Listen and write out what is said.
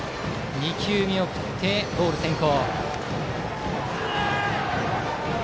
２球見送ってボール先行。